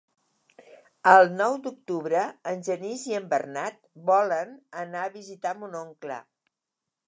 El nou d'octubre en Genís i en Bernat volen anar a visitar mon oncle.